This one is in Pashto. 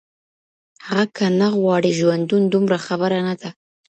هغه كه نه غواړي ژوندون دومره خـــــبـــره نـــــــــه ده.